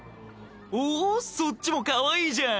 おおそっちもかわいいじゃん。